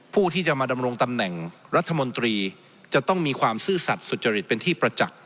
ผู้ที่จะมาดำรงตำแหน่งรัฐมนตรีจะต้องมีความซื่อสัตว์สุจริตเป็นที่ประจักษ์